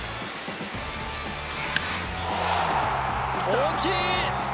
大きい！